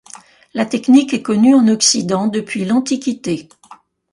La technique est connue en Occident depuis l'Antiquité.